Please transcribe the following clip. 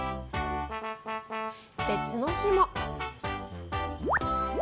別の日も。